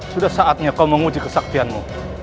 sudah saatnya kau menguji kesaktianmu